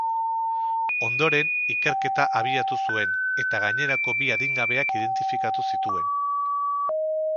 Ondoren, ikerketa abiatu zuen, eta gainerako bi adingabeak identifikatu zituen.